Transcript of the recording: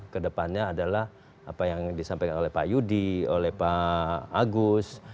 kedepannya adalah apa yang disampaikan oleh pak yudi oleh pak agus